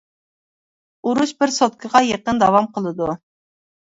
ئۇرۇش بىر سوتكىغا يېقىن داۋام قىلىدۇ.